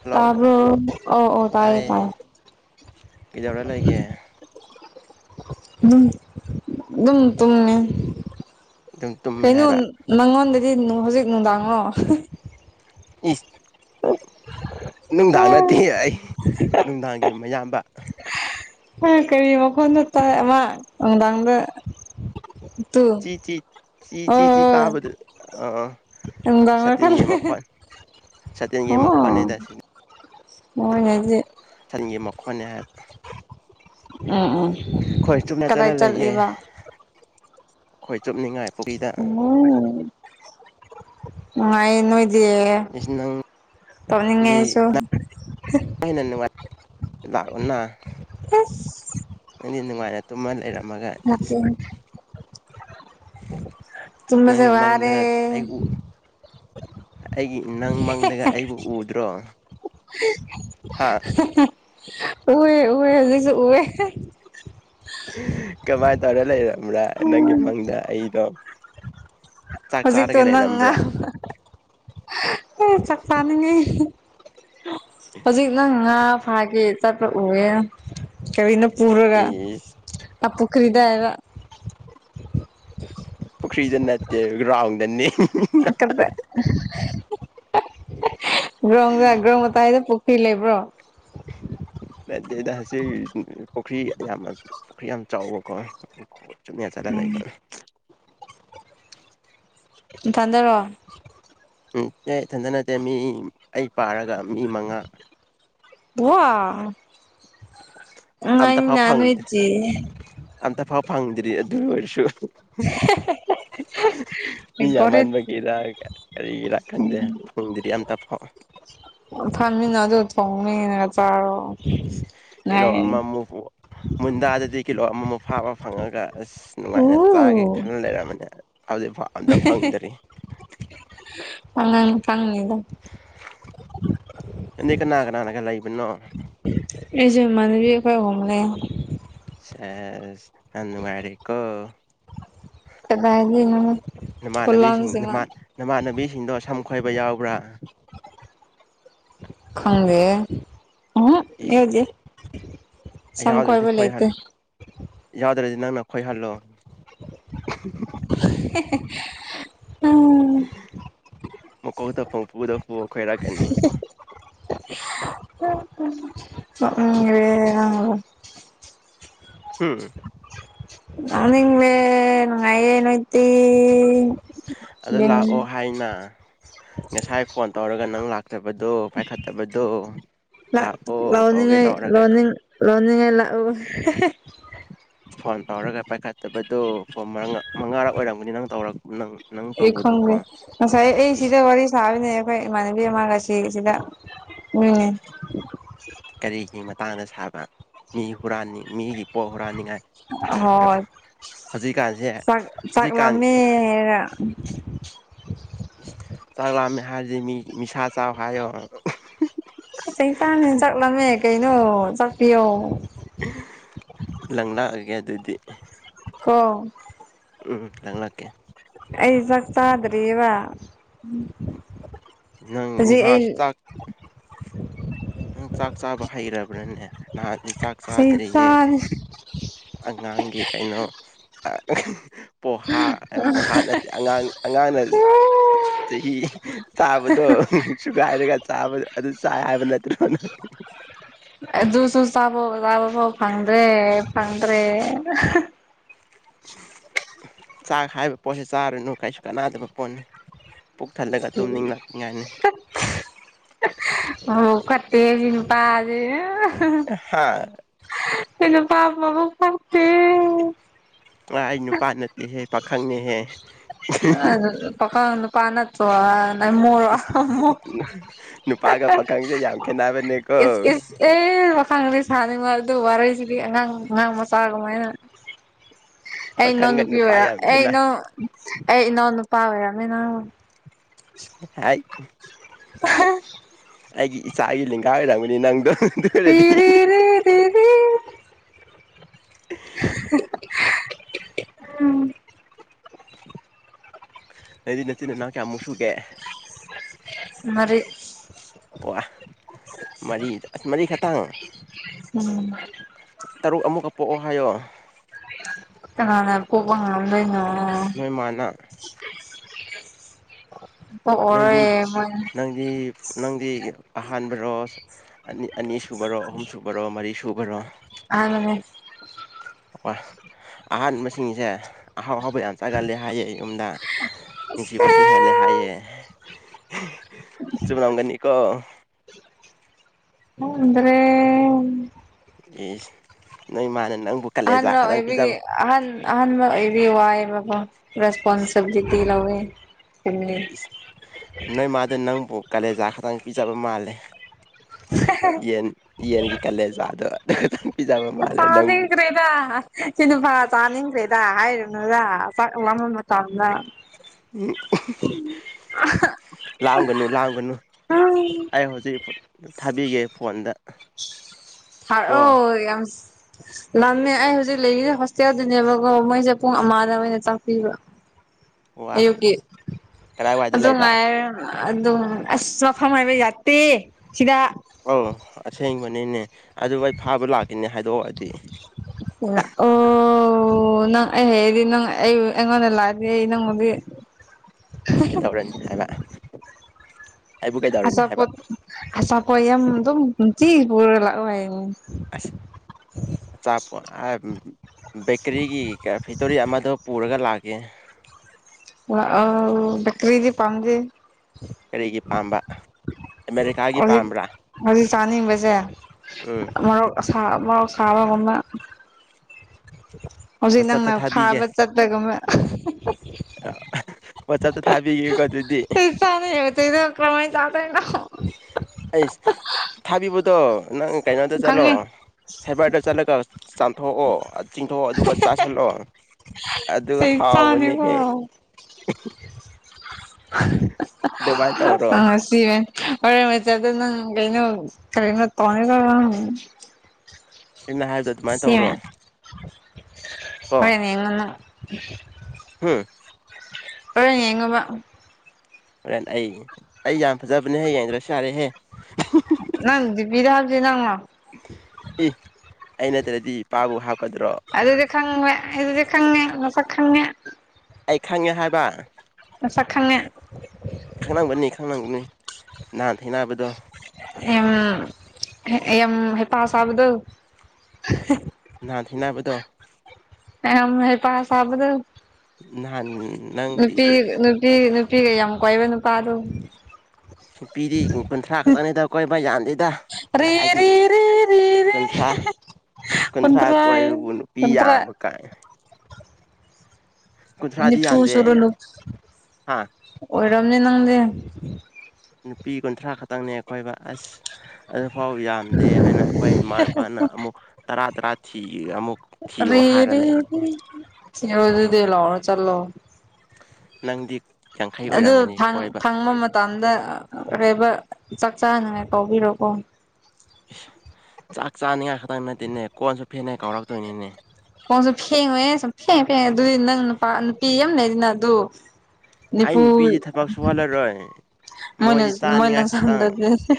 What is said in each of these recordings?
hello ꯇꯕ꯭ꯔꯣ ꯑꯣ ꯑꯣ ꯇꯥꯏꯌꯦ ꯇꯥꯏꯌꯦ ꯀꯩꯗꯧꯔꯥ ꯂꯩꯒꯦ ꯑꯗꯨꯝ ꯑꯗꯨꯝ ꯇꯨꯝꯃꯦ ꯑꯗꯨꯝ ꯇꯨꯝꯃꯦ ꯀꯩꯅꯣꯟ ꯍꯥꯏꯕ ꯅꯪꯉꯣꯟꯗꯗꯤ ꯅꯨꯡ ꯍꯧꯖꯤꯛ ꯅꯨꯡꯗꯥꯡꯔꯣ ꯏꯁ ꯅꯨꯡꯗꯥꯡ ꯅꯠꯇꯦꯍꯦ ꯑꯩ ꯅꯨꯡꯗꯥꯡꯒꯤ ꯃꯌꯥꯝꯕ ꯑꯥ ꯀꯔꯤ ꯃꯈꯣꯟꯗꯣ ꯇꯥꯏ ꯑꯃ ꯅꯨꯡꯗꯥꯡꯗ ꯇꯨ ꯆꯤ ꯆꯤꯠ ꯆꯤ ꯆꯤꯠ ꯆꯤꯠ ꯇꯥꯕꯗꯣ ꯑꯣ ꯅꯨꯡꯗꯥꯡ ꯑꯣꯏꯔꯥꯀꯥꯟ ꯁꯇꯤꯟꯒꯤ ꯃꯈꯣꯟꯅꯦꯗ ꯁꯤꯗꯤ ꯍꯣꯏꯅꯦꯗꯤ ꯁꯥꯇꯤꯟꯒꯤ ꯃꯈꯣꯟꯅꯦ ꯍꯥꯏꯕ ꯎꯝ ꯎꯝ ꯈꯣꯏ ꯆꯨꯞꯅ ꯀꯗꯥꯏ ꯆꯠꯂ ꯂꯩꯌꯦ ꯆꯠꯂꯤꯕ ꯈꯣꯏ ꯆꯨꯞꯅꯤꯡꯉꯥꯏ ꯄꯨꯔꯤꯗ ꯎꯝ ꯅꯨꯉꯥꯏꯌꯦ ꯅꯣꯏꯗꯤ ꯏꯁ ꯇꯣꯛꯅꯤꯡꯉꯦ ꯅꯪꯗꯤ ꯑꯩꯁꯨ ꯍꯦꯟꯅ ꯅꯨꯡꯉꯥꯏ ꯂꯥꯛꯑꯣꯅꯥ ꯏꯁ ꯅꯪꯗꯤ ꯅꯨꯡꯉꯥꯏꯅ ꯇꯨꯝꯃ ꯂꯩꯔꯝꯃꯒ ꯏꯠꯁ ꯇꯨꯝꯕꯖꯦ ꯅꯪꯒꯤ ꯋꯥꯔꯦ ꯃꯪꯗꯒ ꯑꯩ ꯎ ꯑꯩꯒꯤ ꯅꯪ ꯃꯪꯗꯒ ꯑꯩꯕꯨ ꯎꯗ꯭ꯔꯣ ꯍꯥ ꯎꯋꯦ ꯎꯋꯦ ꯍꯧꯖꯤꯁꯨ ꯎꯋꯦ ꯀꯃꯥꯏ ꯇꯧꯔ ꯂꯩꯔꯕ꯭ꯔꯥ ꯅꯪꯒꯤ ꯃꯪꯗ ꯑꯩꯗꯣ ꯆꯥꯛ ꯍꯧꯖꯤꯛꯇꯣ ꯆꯥꯔꯒꯦ ꯅꯪ ꯂꯩꯔꯝꯕ꯭ꯔꯥ ꯍꯦ ꯆꯥꯛ ꯆꯥꯅꯤꯡꯉꯦ ꯍꯧꯖꯤꯛ ꯅꯪ ꯉꯥ ꯐꯥꯒꯦ ꯆꯠꯄ ꯎꯑꯦ ꯀꯔꯤꯅꯣ ꯄꯨꯔꯒ ꯏꯁ ꯑꯥ ꯄꯨꯈ꯭ꯔꯤꯗ ꯍꯥꯏꯕ ꯄꯨꯈ꯭ꯔꯤꯗ ꯅꯠꯇꯦ ꯒ꯭ꯔꯥꯎꯟꯗꯅꯤ [unintelligible] ꯒ꯭ꯔꯥꯎꯟꯗ ꯒ꯭ꯔꯥꯎꯟ ꯃꯇꯥꯢꯗ ꯄꯨ ꯈ꯭ꯔꯤ ꯂꯩꯕ꯭ꯔꯣ ꯅꯠꯗꯦꯗ ꯁꯤ ꯄꯨꯈ꯭ꯔꯤ ꯌꯥꯝ ꯄꯨꯈ꯭ꯔꯤ ꯌꯥꯝ ꯆꯥꯎꯕꯀꯣ [unintelligible] ꯆꯨꯝꯅ ꯆꯠꯂ ꯂꯩꯕ ꯅꯊꯟꯗꯔꯣ ꯅꯠꯇꯦ ꯏꯊꯟꯗ ꯅꯠꯇꯦ ꯃꯤ ꯑꯩ ꯄꯥꯔꯒ ꯃꯤ ꯃꯉꯥ ꯋꯥ [unintelligible] ꯅꯣꯢ ꯆꯦ ꯑꯝꯇ ꯐꯥꯎ ꯐꯪꯗ꯭ꯔꯤ ꯑꯗꯨ ꯑꯣꯏꯔꯁꯨ ꯃꯤ ꯒꯣꯔꯦꯠ ꯌꯥꯝꯃꯟꯕꯒꯤꯔ ꯀꯔꯤꯒꯤꯔꯥ ꯈꯪꯗꯦ ꯐꯪꯗꯔꯤ ꯑꯝꯇ ꯐꯥꯎ ꯐꯡꯅꯤ ꯉꯥꯗꯨ ꯊꯣꯡꯅꯤꯡꯉ ꯆꯥꯔꯣ ꯀꯤꯂꯣ ꯉꯥꯏ ꯑꯃꯃꯨꯛ ꯃꯨꯟꯗꯥꯗꯗꯤ ꯀꯤꯂꯣ ꯑꯃꯃꯨꯛ ꯐꯥꯕ ꯐꯪꯉꯒ ꯑꯁ ꯅꯨꯡꯉꯥꯏꯅ ꯆꯥꯒꯦ ꯎ ꯈꯟꯅ ꯂꯩꯔꯝꯕꯅꯤ ꯍꯧꯖꯤꯛꯐꯥꯎ ꯑꯝꯇ ꯐꯪꯗ꯭ꯔꯤ [unintelligible] ꯐꯪꯅꯤꯗ ꯅꯪꯗꯤ ꯀꯅꯥ ꯀꯅꯥꯅ ꯀꯥ ꯂꯩꯕꯅꯣ ꯑꯩꯁꯨ ꯏꯃꯅꯕꯤ ꯑꯩꯈꯣꯢ ꯍꯨꯝ ꯂꯩ ꯁꯦꯁ ꯌꯥꯝ ꯅꯨꯡꯉꯥꯏꯔꯦꯀꯣ ꯀꯗꯥꯢꯗꯩꯅꯣ ꯅꯃꯥꯟꯅꯕꯤꯁꯤꯡ ꯈꯨꯂꯥꯡꯁꯤꯃ ꯅꯃꯥꯟ ꯅꯃꯥꯟꯅꯕꯤꯁꯤꯡꯗꯣ ꯁꯝ ꯈꯣꯏꯕ ꯌꯥꯎꯕ꯭ꯔꯥ ꯈꯪꯗꯦ [unintelligible] ꯏꯁ ꯌꯥꯎꯗꯦ ꯁꯝ ꯌꯥꯎꯗ꯭ꯔꯗꯤ ꯈꯣꯏꯕ ꯂꯩꯇꯦ ꯈꯣꯏꯍꯜ ꯌꯥꯎꯗ꯭ꯔꯗꯤ ꯅꯪꯅ ꯈꯣꯏꯍꯜꯂꯣ [unintelligible] [unintelligible] ꯎꯝ ꯃꯀꯣꯛꯇ ꯄꯪꯐꯨꯗ ꯐꯨ ꯈꯣꯏꯔꯛꯀꯅꯤ ꯅꯣꯛꯅꯤꯡꯒ꯭ꯔꯦ ꯅꯪꯗꯨ ꯎꯝ ꯇꯥꯅꯤꯡꯗꯦ ꯅꯨꯉꯥꯏꯌꯦ ꯅꯣꯏꯇꯤ ꯑꯗꯨ ꯂꯥꯛꯑꯣ ꯍꯥꯏꯅ ꯉꯁꯥꯏ ꯐꯣꯟ ꯇꯧꯔꯒ ꯅꯪ ꯂꯥꯛ ꯐꯠꯇꯕꯗꯣ ꯄꯥꯏꯈꯠꯇꯕꯗꯣ ꯂꯥꯛ ꯂꯥꯛꯑꯣ ꯀꯧꯒꯦ ꯂꯥꯎꯅꯤꯡꯉꯥꯏ ꯇꯧꯔꯒ ꯂꯣꯅꯤꯡ ꯂꯣꯅꯤꯡꯉꯥꯏ ꯂꯥꯛꯎ [unintelligible] ꯐꯣꯟ ꯇꯧꯔꯒ ꯄꯥꯏꯈꯠꯇꯕꯗꯣ ꯐꯣꯟ ꯃꯉꯥꯔꯛ ꯑꯣꯏꯔꯝꯒꯅꯤ ꯅꯪ ꯇꯧꯔꯛꯄ ꯅꯪ ꯑꯩ ꯈꯪꯗꯦ ꯇꯧꯕꯗꯣꯀꯣ ꯉꯁꯥꯏ ꯑꯩ ꯁꯤꯗ ꯋꯥꯔꯤ ꯁꯥꯕꯅꯦ ꯑꯩꯈꯣꯏ ꯏꯃꯥꯟꯅꯕꯤ ꯑꯁꯤꯒꯤ ꯁꯤꯗ ꯎꯝ ꯀꯔꯤꯒꯤ ꯃꯇꯥꯡꯗ ꯁꯥꯕ ꯃꯤ ꯍꯨꯔꯥꯟꯅꯤꯡ ꯃꯤꯒꯤ ꯄꯣꯠ ꯍꯨꯔꯥꯟꯅꯤꯡꯉꯥꯏ ꯁꯥꯔꯤꯔꯣ ꯍꯣꯏ ꯍꯧꯖꯤꯛꯀꯥꯟꯁꯦ ꯆꯥꯛ ꯆꯥꯛ ꯍꯧꯖꯤꯛꯀꯥꯟ [unintelligible] ꯆꯥꯛ ꯂꯥꯑꯃꯦ ꯍꯥꯏꯔꯤꯁꯦ ꯃꯤ ꯅꯤꯁꯥ ꯆꯥꯎ ꯍꯥꯏꯌꯣ ꯇꯥꯡꯅꯤꯅ ꯆꯥꯛ ꯂꯝꯃꯦ ꯀꯩꯅꯣ ꯆꯥꯛ ꯄꯤꯌꯣ ꯂꯪ ꯂꯥꯛꯑꯒꯦ ꯑꯗꯨꯗꯤ ꯍꯣ ꯎꯝ ꯂꯪꯂꯛꯀ‌ꯦ ꯑꯩꯆꯛ ꯆꯗ꯭ꯔꯤꯕ ꯅꯪ ꯉꯍꯥꯁꯨ ꯆꯥꯛ ꯅꯪ ꯆꯥꯛ ꯆꯥꯕ ꯍꯩꯔꯕ꯭ꯔꯥꯅꯦ ꯅꯍꯥꯟꯗꯤ ꯆꯥꯛ ꯆꯩ ꯆꯥꯗ꯭ꯔꯤꯌꯦ ꯆꯥꯅꯤ ꯑꯉꯥꯡꯒꯤ ꯀꯩꯅꯣ ꯄꯣꯍꯥ ꯄꯣꯍꯥ ꯅꯠ ꯑꯉꯥꯡ ꯑꯉꯥꯡꯅ ꯆꯍꯤ ꯆꯥꯕꯗꯣ ꯁꯨꯒꯥꯏꯔꯒ ꯆꯥꯕꯗ ꯑꯗꯨ ꯆꯥ ꯍꯥꯏꯕ ꯅꯠꯇꯦ [unintelligible] ꯑꯗꯨꯨꯁꯨꯨ ꯆꯥꯕ ꯆꯥꯕ ꯐꯥꯎ ꯐꯪꯗ꯭ꯔꯦ ꯐꯪꯗ꯭ꯔꯦ ꯆꯥꯛ ꯍꯥꯏꯕ ꯄꯣꯠꯁꯤ ꯆꯥꯔꯨꯅꯨ ꯀꯩꯁꯨ ꯀꯥꯟꯅꯗꯕ ꯄꯣꯠꯅꯤ ꯄꯨꯣꯛꯛ ꯊꯜꯂꯒ ꯇꯨꯝꯅꯤꯡꯂꯛꯅꯤꯡꯉꯥꯏꯅꯤ ꯃꯕꯨꯛ ꯐꯠꯇ‌ꯦ ꯁꯤꯅꯨꯄꯥꯖꯤ ꯍꯥꯥ [unintelligible] ꯃꯥ ꯑꯩ ꯅꯨꯄꯥ ꯅꯠꯇꯦꯍꯦ ꯄꯥꯈꯪꯅꯦꯍꯦ ꯅꯪ ꯅꯨꯄꯥ ꯅꯠ ꯇꯔ‌ꯣ ꯍ‌ꯣꯃꯣꯔ‌ꯣ ꯄꯥꯒ ꯄꯥꯈꯪꯁꯦ ꯌꯥꯝ ꯈꯦꯠꯅꯕꯅꯦꯀꯣ ꯏꯁ ꯏꯁ ꯑꯦ ꯄꯈꯪꯗꯤ ꯁꯥꯅꯤꯡꯕ ꯑꯗꯨ ꯋꯥꯔꯤꯁꯤꯗꯤ ꯑꯉꯥꯡ ꯑꯉꯥꯡ ꯃꯆꯥ ꯀꯃꯥꯏꯅ ꯑꯩ ꯏꯅꯥꯎ ꯄꯥꯈꯪꯒ ꯅꯨꯨꯄꯤ ꯅꯨꯄꯥ ꯑꯣꯏꯔ ꯌꯥꯝ ꯑꯦ ꯈꯦꯠꯅ ꯏꯅꯥꯎ ꯑꯩ ꯏꯅꯥꯎ ꯅꯨꯨꯄꯥ ꯑꯣꯏꯔꯝꯃꯤ ꯅꯪ [unintelligible] ꯍꯥꯏ [unintelligible] ꯑꯩꯒꯤ ꯏꯆꯥꯒꯤ ꯂꯤꯡꯒꯥ ꯑꯣꯏꯔꯝꯒꯅꯤ ꯅꯪꯗꯣ ꯑꯗꯨ ꯑꯣꯏꯔꯗꯤ [unintelligible] ꯎꯝ ꯅ‌ꯣꯏꯗꯤ ꯅꯆꯤꯟ ꯅꯅꯥꯎ ꯀꯌꯥꯃꯨꯛ ꯁꯨꯨꯒꯦ ꯃꯔꯤ ꯋꯥ ꯃꯔꯤ ꯃꯔꯤꯈꯛꯇꯪ ꯎꯝ ꯇꯔꯨꯛ ꯑꯃꯨꯒ ꯄꯣꯛꯑꯣ ꯍꯥꯏꯌꯣ ꯀꯅꯥꯅ ꯄ‌ꯣꯛꯄ ꯉꯝꯗ‌ꯣꯏꯅ‌ꯣ ꯅꯣꯏꯃꯥꯅ ꯅꯪꯗꯤ ꯄꯣꯛꯑꯔꯣꯏ ꯃꯣꯏꯅ ꯅꯪꯗꯤ ꯅꯪꯗꯤ ꯑꯍꯥꯟꯕꯔꯣ ꯑꯅꯤ ꯁꯨꯕꯔ‌ꯣ ꯁꯨꯕꯔꯣ ꯑꯍꯨꯝ ꯁꯨꯕꯔꯣ ꯃꯔꯤ ꯁꯨꯕꯔꯣ [unintelligible] ꯀꯣ ꯑꯍꯥꯟꯕꯁꯤꯡꯁꯦ ꯑꯍꯥꯎ ꯑꯍꯥꯎꯕ ꯌꯥꯝ ꯆꯒꯜꯂꯦ ꯍꯥꯏꯌꯦ ꯌꯨꯝꯅ ꯑꯁ ꯅꯨꯡꯁꯤꯕꯁꯨꯍꯦꯂꯦ ꯍꯥꯏꯌꯦ ꯆꯨꯝꯃꯝꯒꯅꯤ ꯀꯣ ꯈꯪꯗ꯭ꯔꯦ ꯑꯦꯁ ꯅꯪꯏꯃꯥꯅ ꯅꯪꯕꯨ ꯑꯍꯥꯟꯕ ꯀꯥꯂꯦꯖꯥ ꯈꯇꯪ ꯑꯣꯏꯕꯤꯒꯤ ꯄꯤꯖꯕ ꯑꯍ ꯑꯍꯥꯟꯕ ꯑꯣꯏꯕꯩ ꯋꯥꯏꯕ ꯔꯦꯁꯄꯣꯟꯁꯤꯕꯤꯂꯤꯇꯤ ꯇꯤ ꯂꯧꯋꯦ ꯐꯦꯝꯂꯤ ꯏꯁ ꯅꯣꯏ ꯃꯥꯗ ꯅꯪꯕꯨ ꯀꯥꯂꯦꯖꯥ ꯈꯛꯇꯪ ꯄꯤꯖꯕ ꯃꯥꯜꯂꯦ ꯌꯦꯟ ꯌꯦꯟꯒꯤ ꯀꯂꯦꯖꯥ ꯑꯗꯣ ꯑꯗꯨ ꯇꯪ ꯄꯤꯖꯕ ꯃꯥꯂꯦ ꯅꯪꯕꯨ ꯆꯥꯅꯤꯡꯈ꯭ꯔꯦꯗ ꯁꯤ ꯅꯨ ꯐꯥ ꯆꯥꯅꯤꯡꯈ꯭ꯔꯦꯗ ꯍꯥꯏꯔꯨꯅꯨꯗ ꯆꯥꯛꯂꯥꯝꯕ ꯃꯇꯝꯗ ꯎꯝ ꯂꯥꯝꯒꯅꯨ ꯂꯥꯝꯒꯅꯨ ꯑꯩ ꯍꯧꯖꯤꯛ ꯊꯥꯕꯤꯒꯦ ꯐꯣꯟꯗ ꯀꯣ ꯁꯥꯔꯛꯑꯣ ꯌꯥꯝꯁ ꯂꯝꯃꯦ ꯑꯩ ꯍꯧꯖꯤꯛ ꯂꯩꯔꯤꯁꯦ ꯍꯣꯁꯇꯦꯜꯗꯨꯅꯦꯕꯀꯣ ꯃꯣꯁꯦ ꯄꯨꯡ ꯑꯃꯗ ꯑꯣꯏꯅ ꯆꯥꯛ ꯄꯤꯕ ꯋꯥ ꯑꯌꯨꯛꯀꯤ ꯀꯗꯥꯏꯋꯥꯏꯗ ꯑꯗꯨ ꯂꯩꯕ ꯉꯥꯏ ꯑꯗꯨ ꯑꯁ ꯃꯐꯝ ꯍꯥꯏꯕ ꯌꯥꯇꯦ ꯁꯤꯗ ꯑꯧ ꯑꯁꯦꯡꯕꯅꯤꯅꯦ ꯑꯗꯨ ꯑꯩ ꯐꯥꯕ ꯂꯥꯛꯀꯅꯦ ꯍꯥꯏꯗꯣꯛꯑꯗꯤ ꯑꯣ ꯅꯪ ꯑꯩ ꯍꯩꯗꯤ ꯅꯪ ꯑꯩꯕꯨ ꯑꯩꯉꯣꯟꯗ ꯂꯥꯛ ꯀꯩꯗꯧꯔꯅꯤ [unintelligible] ꯍꯥꯏꯕ ꯑꯩꯕꯨ ꯀꯩꯗꯧꯔꯅꯤ ꯍꯥꯏꯕ ꯑꯆꯥꯄꯣꯠ ꯑꯆꯥꯄꯣꯠ ꯌꯥꯝ ꯑꯗꯨꯝ ꯅꯨꯡꯇꯤ ꯄꯨꯔꯥ ꯂꯥꯛꯑꯣ ꯍꯥꯏꯕꯅꯦ ꯑꯆꯥꯄꯣꯠ [unintelligible] ꯕꯦꯀ꯭ꯔꯤꯒꯤ ꯐꯦꯛꯇꯣꯔꯤ ꯑꯃꯗꯣ ꯄꯨꯔꯒ ꯂꯥꯛꯒꯦ ꯂꯥꯛꯑꯣ ꯕꯀ꯭ꯔꯤꯗꯤ ꯄꯥꯝꯗꯦ ꯀꯔꯤꯒꯤ ꯄꯥꯝꯕ ꯑꯃꯦꯔꯤꯀꯥꯒꯤ ꯍꯧꯖꯤꯛ ꯄꯥꯝꯕ꯭ꯔꯥ ꯍꯧꯖꯤꯛ ꯆꯥꯅꯤꯡꯕꯁꯦ ꯎꯝ ꯃꯔꯣꯛ ꯑꯁꯥꯕ ꯔꯣꯛ ꯑꯁꯥꯕꯒꯨꯝꯕ ꯍꯧꯖꯤꯛ ꯋꯥꯆꯞꯇ ꯅꯪꯅ ꯊꯥꯕꯤꯒꯦ ꯐꯥꯕ ꯆꯠꯄꯒꯨꯝꯕ ꯋꯥꯆꯞꯇ ꯊꯥꯕꯤꯒꯦꯀꯣ ꯑꯗꯨꯗꯤ [unintelligible] ꯀ꯭ꯔꯥꯃꯥꯏ ꯆꯥꯗꯣꯏꯅꯣ ꯑꯩꯁ ꯊꯥꯕꯤꯕꯗꯣ ꯅꯪ ꯀꯩꯅꯣꯗ ꯆꯠꯂꯣ ꯈꯪꯉꯦ ꯁꯥꯏꯕꯔꯗ ꯆꯠꯂꯒ ꯆꯥꯝ ꯊꯣꯛꯑꯣ ꯆꯤꯡꯊꯣꯛꯑꯣ ꯑꯗꯨꯒ ꯆꯥꯁꯤꯜꯂꯣ ꯑꯗꯨ ꯆꯩ ꯆꯥꯅꯤꯀꯣ ꯍꯥꯎꯕꯅꯤꯍꯦ [unintelligible] ꯁꯤꯏ ꯍꯣꯔꯦꯟ ꯋꯥꯆꯞꯇ ꯅꯪ ꯀꯩꯅꯣ ꯀꯔꯤꯅꯣ ꯇꯧꯅꯤꯀꯣ ꯅꯪ ꯑꯩꯅ ꯍꯥꯏꯕꯗꯣ ꯑꯗꯨꯃꯥꯏꯅ ꯁꯦ ꯇꯧꯔꯣ ꯍꯣꯔꯦꯟ ꯌꯦꯡꯉꯣ ꯅꯪ ꯍꯝ ꯍꯣꯔꯦꯟ ꯌꯦꯡꯉꯣꯕ ꯍꯣꯔꯦꯟ ꯑꯩ ꯑꯩ ꯌꯥꯝ ꯐꯥꯖꯕꯅꯦꯍꯦ ꯌꯦꯡꯗ꯭ꯔꯥꯁꯨ ꯌꯥꯔꯦꯍꯦ ꯅꯪ ꯗꯤꯄꯤꯗ ꯍꯥꯏꯕꯗꯤ ꯅꯪꯅ ꯏ ꯑꯩ ꯅꯠꯇ꯭ꯔꯗꯤ ꯏꯄꯥꯕꯨ ꯍꯥꯞꯀꯗ꯭ꯔꯣ ꯈꯪꯃꯦ ꯑꯗꯨꯗꯤ ꯈꯪꯉꯦ ꯃꯁꯛ ꯈꯪꯉꯦ ꯑꯩ ꯈꯪꯉꯦ ꯍꯥꯏꯕ ꯃꯁꯛ ꯈꯪꯉꯦ ꯈꯪꯂꯝꯒꯅꯤ ꯈꯪꯂꯝꯒꯅꯤ ꯅꯍꯥꯟ ꯊꯦꯡꯅꯕꯗꯣ ꯌꯥꯝ ꯌꯥꯝ ꯍꯩꯄꯥ ꯁꯥꯕꯗꯣ ꯅꯍꯥꯟ ꯊꯦꯡꯅꯥꯕꯗꯣ ꯃꯌꯥꯝ ꯍꯩꯄꯥ ꯁꯥꯕꯗꯣ ꯅꯍꯥꯟ ꯅꯪ ꯅꯨꯄꯤ ꯅꯨꯄꯤ ꯅꯨꯄꯤꯒ ꯌꯥꯝ ꯀꯣꯏꯕ ꯅꯨꯄꯥꯗꯣ ꯅꯨꯄꯤꯗꯤ ꯀꯨꯟꯊ꯭ꯔꯥ ꯈꯛꯇꯪꯅꯤꯗ ꯀꯣꯏꯕ ꯌꯥꯗꯦꯗ ꯔꯦ ꯔꯦ ꯀꯥꯏꯗꯒꯤ ꯔꯦ ꯔꯦ ꯔꯦ ꯀꯨꯟꯊ꯭ꯔꯥ ꯀꯨꯟꯊ꯭ꯔꯥ ꯀꯨꯟꯇ꯭ꯔꯥ ꯀꯣꯏꯌꯦꯕꯨ ꯅꯨꯄꯤ ꯀꯨꯟꯇ꯭ꯔꯥ ꯌꯥꯝꯕ ꯀꯥꯏ ꯀꯨꯟꯊ꯭ꯔꯥꯗꯤ ꯅꯤꯐꯨ ꯌꯥꯟꯗꯦ ꯆꯨꯔꯂꯨ ꯍꯥ ꯑꯣꯏꯔꯝꯅꯤ ꯅꯪꯗꯤ ꯅꯨꯄꯤ ꯀꯨꯟꯊ꯭ꯔꯥ ꯈꯇꯪꯅꯦ ꯀꯣꯏꯕ ꯑꯁ ꯑꯗꯨꯐꯥꯎ ꯌꯥꯝꯗꯦ ꯍꯥꯏꯅ ꯑꯩꯈꯣꯏ ꯏꯃꯥ ꯏꯄꯥꯅ ꯑꯃꯨꯛ ꯇꯔꯥ ꯇꯔꯥ ꯊꯤ ꯑꯃꯨꯛ ꯊꯤꯌꯣ ꯍꯥꯏꯔ ꯂꯩ ꯔꯦꯗꯤꯗꯤꯗꯤ ꯌꯧꯔꯣꯗꯣꯏꯗꯤ ꯂꯥꯛꯑꯣ ꯆꯠꯂꯣ ꯅꯪꯗꯤꯛ ꯑꯗꯨ ꯐꯥꯡ ꯐꯪꯕ ꯃꯠ ꯇꯝꯗ ꯀꯔꯤꯕ ꯆꯥꯛ ꯆꯥꯅꯉꯥꯏ ꯄꯥꯎ ꯄꯤꯔꯣꯀꯣ ꯏꯁ ꯆꯥꯛ ꯆꯥꯅꯤꯡꯉꯥꯏ ꯈꯛꯇꯪ ꯅꯠꯇꯦꯅꯦ ꯀꯣꯟꯁꯨ ꯐꯦꯡꯅꯩ ꯀꯥꯎꯔꯛꯇꯣꯏꯅꯤꯅꯦ ꯀꯣꯟꯁꯨ ꯐꯦꯡꯉꯣꯏꯍꯦ ꯁꯨꯡꯐꯦꯡ ꯐꯦꯡ ꯑꯗꯨꯏ ꯅꯪ ꯅꯨꯄꯥ ꯅꯨꯄꯤ ꯌꯥꯝ ꯂꯩꯅꯤꯅ ꯑꯗꯨ ꯑꯩ ꯅꯤꯐꯨ ꯅꯨꯄꯤꯗꯤ ꯊꯕꯛ ꯁꯨꯍꯜꯂꯔꯣꯏ ꯃꯣꯏꯅ ꯃꯣꯏꯗꯤ ꯃꯣꯏꯅ ꯆꯥꯅꯤꯡꯉꯥꯏ ꯈꯛꯇꯪ ꯁꯟꯗ꯭ꯔꯗꯤ ꯔꯇꯦ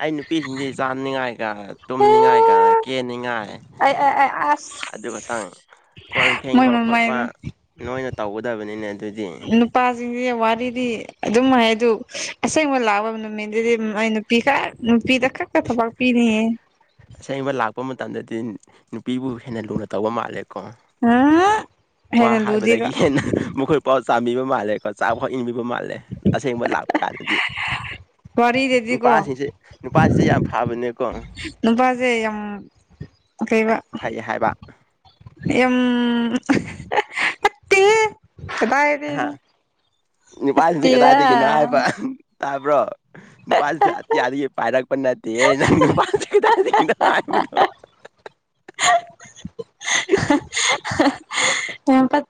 ꯑꯩ ꯅꯨꯄꯤꯁꯤꯡꯗꯤ ꯆꯥꯅꯤꯉꯥꯏꯒ ꯇꯨꯝꯅꯤꯉꯥꯏꯒ ꯀꯦꯅꯤꯡꯉꯥꯏ ꯑꯩ ꯑꯩ ꯑꯩ ꯑꯁ ꯑꯗꯨ ꯈꯇꯪ ꯀꯣꯟ ꯃꯣꯏ ꯐꯦꯡꯕ ꯈꯣꯠꯄ ꯃꯃꯥꯏꯗꯣ ꯅꯣꯏꯅ ꯇꯧꯒꯗꯕꯅꯤꯅꯦ ꯑꯗꯨꯗꯤ ꯅꯨꯞ ꯄꯥꯁꯤꯡꯁꯤ ꯋꯥꯔꯤꯗꯤ ꯑꯗꯨꯝ ꯍꯥꯏ ꯑꯗꯨ ꯑꯁꯦꯡꯕ ꯂꯥꯛꯄ ꯅꯨꯃꯤꯠꯗꯨꯗꯤ ꯎꯝ ꯑꯩꯅ ꯄꯤꯈꯛ ꯅꯨꯄꯤꯗ ꯈꯛꯇ ꯊꯕꯛ ꯄꯤꯅꯤꯌꯦ ꯑꯁꯦꯡꯕ ꯂꯥꯛꯄ ꯃꯇꯝꯗꯗꯤ ꯅꯨꯄꯤꯕꯨ ꯍꯦꯟꯅ ꯂꯨꯅ ꯇꯧꯕ ꯃꯥꯜꯂꯦ ꯀꯣ ꯍꯦꯟꯅ ꯋꯥ ꯂꯨꯗꯦꯕ ꯍꯥꯏꯕꯗꯒꯤ ꯍꯦꯟꯅ ꯃꯈꯨꯠ ꯄꯥꯎ ꯆꯥꯝꯕꯤꯕ ꯃꯥꯜꯂꯦ ꯆꯥꯛꯐꯥꯎ ꯏꯟꯕꯤꯕ ꯃꯥꯜꯂꯦ ꯑꯁꯦꯡꯕ ꯂꯥꯛꯄ ꯀꯥꯟꯗꯗꯤ ꯋꯥꯔꯤꯗꯗꯤꯀꯣ ꯅꯨꯄꯥꯁꯤꯡꯁꯦ ꯅꯨꯄꯥꯁꯤꯡꯁꯦ ꯌꯥꯝ ꯐꯕꯅꯦꯀꯣ ꯅꯨꯄꯥꯁꯦ ꯌꯥꯝ ꯀꯩꯕ ꯐꯩ ꯍꯥꯏꯕ ꯍꯌꯨꯝ ꯄꯛꯇꯦꯍꯦ ꯍꯥ ꯅꯨꯄꯥꯁꯤꯡꯁꯦ ꯀꯗꯥꯏꯗꯒꯤꯅꯣ ꯇꯦꯔꯥ ꯍꯥꯏꯕ ꯇꯥꯕ꯭ꯔꯣ ꯅꯨꯄꯥꯁꯤꯡꯁꯦ ꯑꯇꯤꯌꯥꯗꯒꯤ ꯄꯥꯏꯔꯛꯄ ꯅꯠꯇꯤꯌꯦ ꯅꯨꯄꯥꯁꯤ ꯀꯗꯥꯏꯗꯒꯤꯅꯣ ꯍꯥꯏꯕꯗꯣ ꯌꯥꯝ ꯄꯠ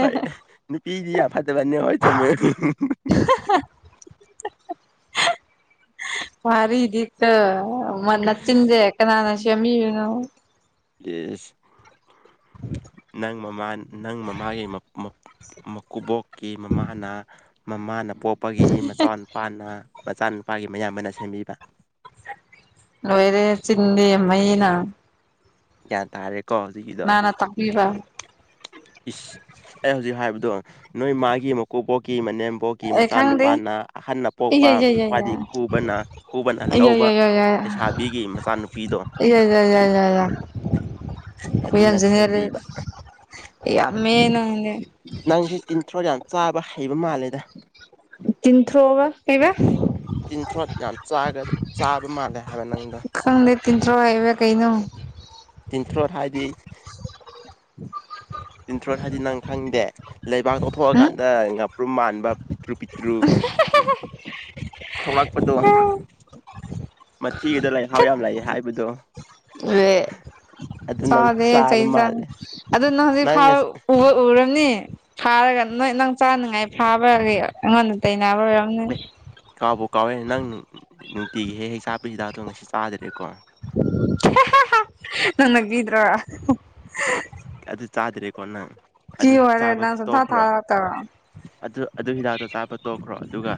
ꯍꯣꯏ ꯅꯨꯄꯤꯗꯤ ꯌꯥꯝ ꯐꯠ ꯇꯕꯅꯦ ꯍꯣꯏ ꯆꯨꯝꯃꯦ ꯋꯥꯔꯤꯗꯤꯀꯣ ꯃ ꯅꯆꯤꯟꯁꯦ ꯀꯅꯥꯅ ꯁꯦꯝꯕꯤꯕꯅꯣ ꯂꯦꯁ ꯅꯪ ꯃꯃꯥ ꯅꯪ ꯃꯃꯥꯒꯤ ꯃ ꯃ ꯃꯀꯨꯕꯣꯛ ꯀꯤ ꯃꯃꯥꯅ ꯃꯃꯥꯅ ꯄꯣꯛꯄꯒꯤ ꯃꯆꯥ ꯅꯨ ꯄꯥꯥꯅ ꯃꯆꯥꯅꯨꯄꯥꯒꯤ ꯃꯌꯥꯝꯕꯅ ꯁꯦꯝꯕꯤꯕ ꯂꯣꯏꯔꯦ ꯆꯤꯟꯗꯤ ꯃꯩꯅ ꯒ꯭ꯌꯥꯟ ꯇꯥꯔꯦꯀꯣ ꯍꯧꯖꯤꯛꯀꯤꯗꯣ ꯀꯅꯥꯅ ꯇꯥꯛꯄꯤꯕ ꯏꯁ ꯑꯩ ꯍꯧꯖꯤꯛ ꯍꯥꯏꯕꯗꯣ ꯅꯣꯏ ꯃꯥꯒꯤ ꯃꯀꯨꯕꯣꯛꯀꯤ ꯃꯅꯦꯝ ꯕꯣꯛꯀꯤ ꯑꯩ ꯈꯪꯗꯦ ꯃꯆꯥꯅꯨꯄꯥꯅ ꯑꯍꯟꯅ ꯄꯣꯛꯄ ꯏꯌꯥ ꯌꯥ ꯌꯥ ꯌꯥ ꯈ꯭ꯋꯥꯏꯗꯤ ꯈꯨꯕꯅ ꯈꯨꯕꯅ ꯂꯧꯕ ꯄꯩꯁꯥ ꯏꯌ ꯌ ꯌ ꯌ ꯌꯥ ꯈꯨꯌꯥꯟ ꯑꯗꯨꯅ ꯖꯦꯅꯦꯔꯦꯜ ꯁꯦꯝꯕꯤꯕ ꯌꯥꯝꯃꯦ ꯅꯪꯗꯤ ꯅꯪꯁꯦ ꯇꯤꯟꯊ꯭ꯔꯣ ꯌꯥꯝ ꯆꯥꯕ ꯍꯩꯕ ꯃꯥꯜꯂꯦꯗ ꯇꯤꯟꯊ꯭ꯔꯣ ꯑꯕ ꯇꯤꯟꯊ꯭ꯔꯣꯠ ꯌꯥꯝ ꯆꯥꯒ ꯆꯥꯕ ꯃꯥꯜꯂꯦ ꯍꯥꯏꯕ ꯅꯪꯗꯣ ꯈꯪꯗꯦ ꯇꯤꯟꯊ꯭ꯔꯣ ꯍꯥꯏꯕ ꯀꯩꯅꯣ ꯇꯤꯟꯊ꯭ꯔꯣꯠ ꯍꯥꯏꯗꯤ ꯇꯤꯟꯊ꯭ꯔꯣ ꯍꯥꯏꯗꯤ ꯅꯪ ꯈꯪꯗꯦ ꯂꯩꯕꯥꯛ ꯎꯝ ꯀꫭꯊꯣꯛꯑꯀꯥꯟꯗ ꯉꯥꯄ꯭ꯔꯨꯝ ꯃꯥꯟꯕ ꯄꯤꯛꯇ꯭ꯔꯨ ꯄꯤꯛꯇ꯭ꯔꯨ ꯊꯣꯛꯂꯛꯄꯗꯣ ꯃꯊꯤꯒꯤꯗꯣ ꯂꯩꯍꯥꯎ ꯌꯥꯝ ꯂꯩꯌ‌ꯦ ꯍꯥꯏꯕꯗꯣ ꯑ [unintelligible] ꯑꯗꯨ ꯅꯪ ꯆꯥꯔ‌ꯦ ꯆꯩ ꯆꯥꯕ ꯆꯥꯅꯤ ꯃꯥꯜꯂꯦ ꯑꯗꯨ ꯅꯪ ꯍꯧꯖꯤꯛ ꯐꯥꯎꯕ ꯎꯔꯕꯅꯤ [unintelligible] ꯐꯥꯔꯒ ꯅꯣꯏ ꯅꯪ ꯆꯥꯅꯤꯡꯉꯥꯏ ꯐꯥꯕꯒꯤ ꯑꯩꯉꯣꯟꯗ ꯇꯥꯏꯅꯕ ꯑꫭꯏꯔꯝꯅꯤ ꯑꯦ ꯀꯥꯎꯕꯨ ꯀꯥꯎꯋꯦ ꯅꯪ ꯅꯨꯡꯇꯤꯒꯤ ꯍꯦꯛ ꯍꯦꯛ ꯆꯥꯕ ꯁꯤꯗꯥꯛꯇꫭ ꯉꯁꯤ ꯆꯥꯗ꯭ꯔꯦꯀꯣ ꯅꯪꯒꯗ꯭ꯔꯥ [unintelligible] ꯑꯗꯨ ꯆꯥꯗ꯭ꯔꯦꯀꯣ ꯅꯪ ꯐꯤ ꯑꯗꯨ ꯑꯣꯏꯔꯦ ꯆꯥꯕ ꯅꯪ ꯁꯨꯡꯊꯥ ꯇꯣꯛꯈ꯭ꯔꯣ ꯊꯥꯔꯛꯇ꯭ꯔꫭ ꯑꯗꯨ ꯑꯗꯨ ꯍꯤꯗꯥꯛꯇꯣ ꯆꯥꯕ ꯇꯣꯛꯈ꯭ꯔꯣ ꯑꯗꯨꯒ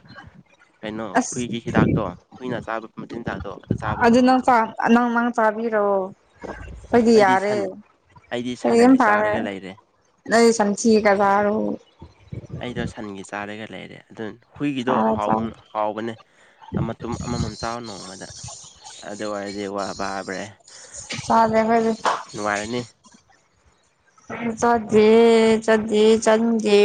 ꯀꯩꯅꯣ ꯑꯁ ꯍꯨꯏꯒꯤ ꯍꯤꯗꯥꯛꯇꯣ ꯍꯨꯏꯅ ꯆꯥꯕ ꯃꯆꯤꯟꯖꯥꯛꯇꯣ ꯑꯗꯨ ꯆꯥꯕ ꯍꯧꯔꫭ ꯃꯇꯨꯝ ꯃꯇꯨꯝ ꯑꯪ [unintelligible] ꯆꯕꯤꯔꫭ ꯑꯈꫭꯏꯗꯤ ꯑꯩꯗꯤ ꯌꯥꯔꯦ ꯁꯟ ꯑꯩꯗꯤ ꯁꯟꯒꯤ [unintelligible] ꯐꯔ‌ꯦ ꯆꯥꯔꯒ ꯂꯩꯔꯦ ꯅꯪ ꯆꯝꯆꯤꯒꯥ ꯆꯥꯔꫭ ꯑꯩꯗꯣ ꯁꯟꯒꯤ ꯆꯥꯔꯒ ꯂꯩꯔꯦ ꯑꯗꯨ ꯍꯨꯏꯒꯤꯗꯣ ꯆꯥꯔꯣ ꯆꯥꯔꯣ ꯍꯥꯎꯕꯅꯤ ꯍꯥꯎꯕꯅꯦ ꯑꯥ ꯃꯇꯨꯎꯝ ꯃꯃꯥꯃꯝ ꯆꯥꯎ ꯅꯣꯡꯃꯗ ꯑꯗꯨ ꯑꯣꯏꯔꯗꯤ ꯋꯥ ꯄꯥꯕ꯭ꯔꯦ [unintelligible] ꯐꯗꯦ [unintelligible] ꯑꯈꫭꯏꯗꯤ ꯅꯨꯡꯉꯥꯏꯔꯅꯤ [unintelligible] ꯆꯥꯗꯦ ꯆꯥꯗꯦ ꯆꯥꯅꯤꯡꯗꯦ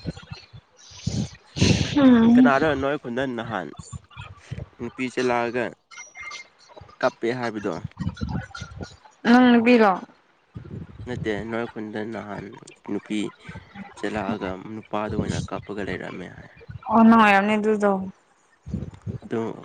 [unintelligible] ꯎꯝ ꯀꯅꯥꯔꯥ ꯅꫭꯏ ꯈꯨꯟꯗ ꯅꯍꯥꯟ ꯅꯨꯄꯤ ꯆ‌ꯦꯜꯂꯛꯑꯒ ꯀꯞꯄꯦ ꯍꯥꯏꯕꯗꯣ ꯎꯪ ꯅꯨꯄꯤꯔꯣ ꯅꯠꯇꯦ ꯅꫭꯏ ꯈꯟꯗꯥ ꯅꯍꯥꯟ ꯅꯨꯄꯤ ꯆꯦꯜꯂꯛꯑꯒ ꯅꯨꯄꯥꯗꯨ ꯑꯣꯏꯅ ꯀꯥꯞꯄꯒ ꯂꯩꯔꯝꯃꯦ ꯍꯥꯏ ꯑꯣ ꯅꯪ ꯑꫭꯏꯔꯝꯅꯤ ꯑꯗꯨꯗꫭ ꯑꯗꯨ